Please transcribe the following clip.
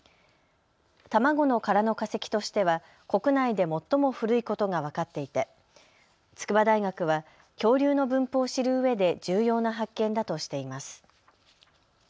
卵の殻の化石としては国内で最も古いことが分かっていて、筑波大学は恐竜の分布を知るうえで重要な発見だとしています。